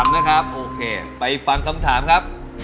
๓นะครับโอเคไปฟังสามข้ามครับ